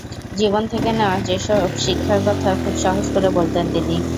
জীবন থেকে নেওয়া সেসব শিক্ষার কথা খুব সহজ করে বলতেন তিনি।